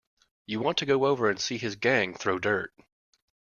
You want to go over and see his gang throw dirt.